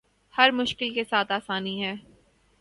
ہر مشکل کے ساتھ آسانی ہے